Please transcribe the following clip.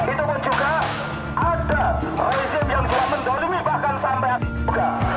itu pun juga ada krisis yang sudah mendorimi bahkan sampai atas juga